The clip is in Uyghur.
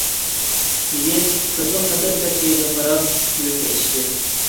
يىگىت قىزنىڭ تاتىرىپ كەتكەن يۈزىگە قاراپ يۈرىكى ئېچىشتى.